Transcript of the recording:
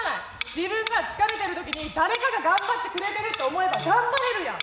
自分が疲れてるときに誰かが頑張ってくれてるって思えば頑張れるやん。